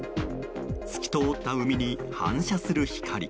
透き通った海に反射する光。